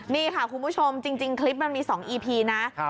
นี่ค่ะคุณผู้ชมจริงคลิปมันมี๒อีพีนะ